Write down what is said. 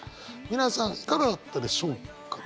皆さんいかがだったでしょうか？